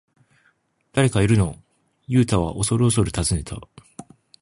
「誰かいるの？」ユウタはおそるおそる尋ねた。